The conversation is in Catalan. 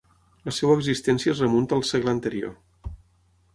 La seva existència es remunta al segle anterior.